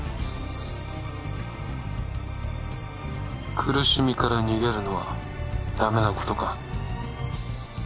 苦しみから逃げるのはダメなことか？